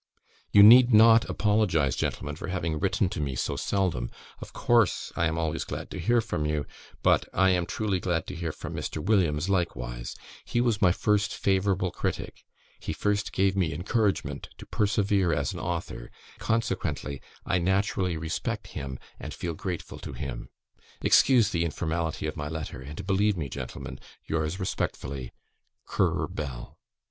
"You need not apologise, Gentlemen, for having written to me so seldom; of course I am always glad to hear from you, but I am truly glad to hear from Mr. Williams likewise; he was my first favourable critic; he first gave me encouragement to persevere as an author, consequently I naturally respect him and feel grateful to him. "Excuse the informality of my letter, and believe me, Gentlemen, yours respectfully, CURRER BELL."